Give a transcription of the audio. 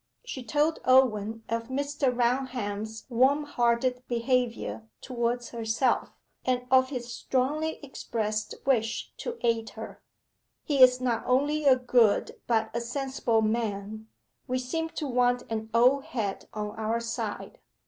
She told Owen of Mr. Raunham's warm hearted behaviour towards herself, and of his strongly expressed wish to aid her. 'He is not only a good, but a sensible man. We seem to want an old head on our side.